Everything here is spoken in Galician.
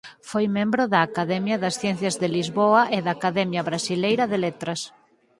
Foi Membro da Academia das Ciencias de Lisboa e da Academia Brasileira de Letras.